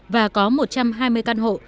và có một trăm hai mươi căn hộ